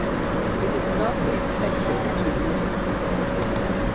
It is not infective to humans.